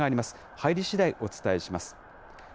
入りしだい、お伝えします。